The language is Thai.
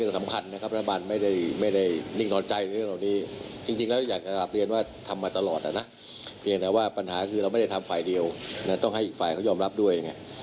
แต่ยังไม่ต้องให้อีกฝ่ายเขายอมรับด้วย